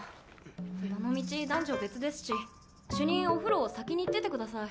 どのみち男女別ですし主任お風呂先に行っててください。